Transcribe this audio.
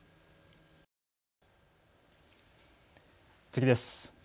次です。